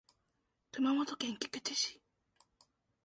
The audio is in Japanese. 熊本県菊池市